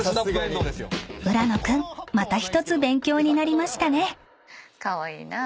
［浦野君また１つ勉強になりましたね］